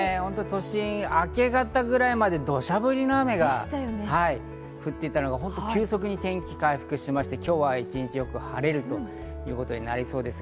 都心は明け方くらいまで土砂降りの雨が降っていたのが急速に天気が回復しまして、今日は一日よく晴れるということになりそうです。